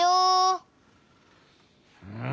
うん。